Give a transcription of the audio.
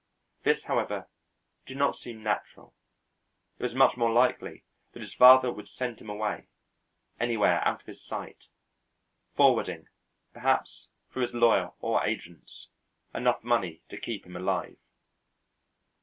This, however, did not seem natural; it was much more likely that his father would send him away, anywhere out of his sight, forwarding, perhaps through his lawyer or agents, enough money to keep him alive.